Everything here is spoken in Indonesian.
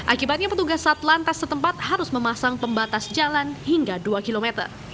akibatnya petugas satlantas setempat harus memasang pembatas jalan hingga dua km